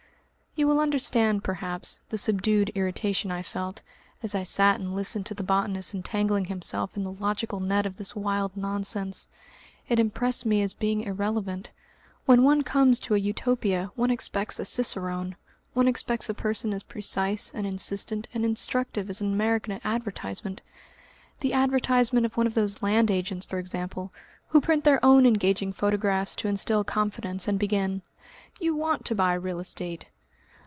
You will understand, perhaps, the subdued irritation I felt, as I sat and listened to the botanist entangling himself in the logical net of this wild nonsense. It impressed me as being irrelevant. When one comes to a Utopia one expects a Cicerone, one expects a person as precise and insistent and instructive as an American advertisement the advertisement of one of those land agents, for example, who print their own engaging photographs to instil confidence and begin, "You want to buy real estate."